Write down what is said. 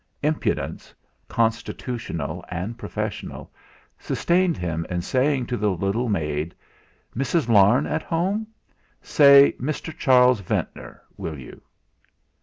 Impudence, constitutional and professional, sustained him in saying to the little maid: "Mrs. Larne at home? Say Mr. Charles Ventnor, will you?"